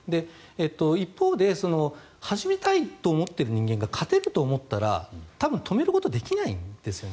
一方で始めたいと思っている人間が勝てると思ったら多分止めることはできないんですね。